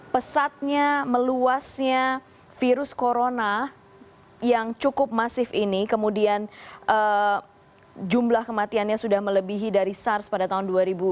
pesatnya meluasnya virus corona yang cukup masif ini kemudian jumlah kematiannya sudah melebihi dari sars pada tahun dua ribu dua puluh